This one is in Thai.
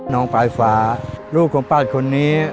มศปลายฟ้าลูกของปาทคนนี้